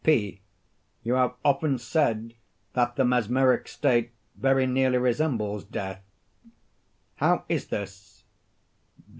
P. You have often said that the mesmeric state very nearly resembles death. How is this?